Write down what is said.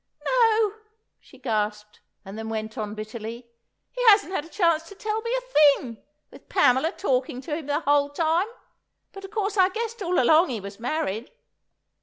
"No!" she gasped, and then went on bitterly, "he hasn't had a chance to tell me a thing, with Pamela talking to him the whole time! But, of course, I guessed all along he was married."